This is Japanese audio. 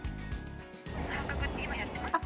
半額って今やってますか？